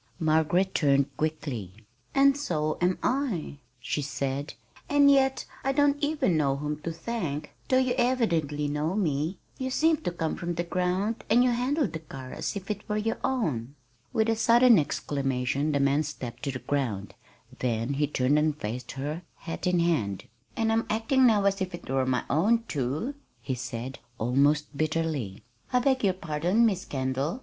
Margaret turned quickly. "And so am I," she said, "and yet I don't even know whom to thank, though you evidently know me. You seemed to come from the ground, and you handled the car as if it were your own." With a sudden exclamation the man stepped to the ground; then he turned and faced her, hat in hand. "And I'm acting now as if it were my own, too," he said, almost bitterly. "I beg your pardon, Miss Kendall.